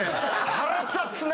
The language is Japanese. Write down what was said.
腹立つな！